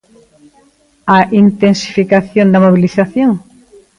A intensificación da mobilización?